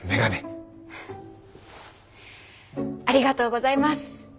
ありがとうございます！